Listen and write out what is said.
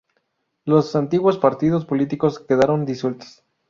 Los antiguos partidos políticos quedaron disueltos.